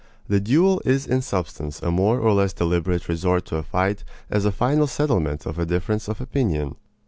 The duel is in substance a more or less deliberate resort to a fight as a final settlement of a difference of opinion.